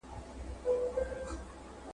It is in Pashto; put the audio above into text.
او له خپل یوازیتوبه سره ژاړې !.